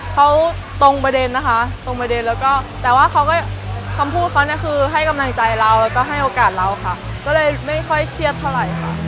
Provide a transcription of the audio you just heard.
ก็เลยไม่ค่อยเครียดเท่าไหร่ค่ะ